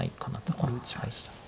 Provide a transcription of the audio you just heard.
これ打ちました。